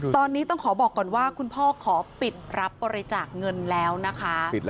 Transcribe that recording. ตอนนี้ต้องขอบอกก่อนว่าคุณพ่อขอปิดรับบริจาคเงินแล้วนะคะ